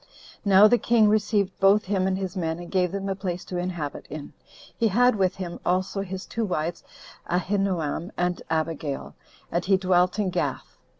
Now the king received both him and his men, and gave them a place to inhabit in. He had with him also his two wives, Ahinoam and Abigail, and he dwelt in Gath.